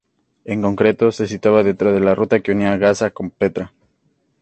En concreto se situaba dentro de la ruta que unía a Gaza con Petra.